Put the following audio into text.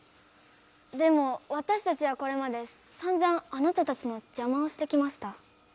⁉でもわたしたちはこれまでさんざんあなたたちのじゃまをしてきました。